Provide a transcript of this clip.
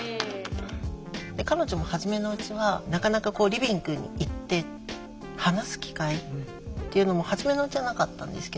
彼女もはじめのうちはなかなかこうリビングに行って話す機会っていうのもはじめのうちはなかったんですけど。